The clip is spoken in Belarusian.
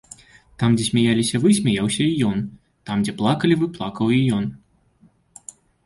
Там, дзе смяяліся вы, смяяўся і ён, там, дзе плакалі вы, плакаў і ён.